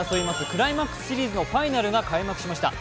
クライマッスクスシリーズのファイナルが開幕しました。